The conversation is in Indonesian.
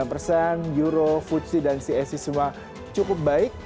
euro futsi dan csi semua cukup baik